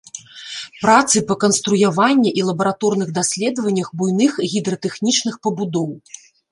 Працы па канструяванні і лабараторных даследаваннях буйных гідратэхнічных пабудоў.